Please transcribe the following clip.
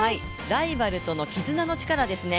ライバルとの絆のチカラですね。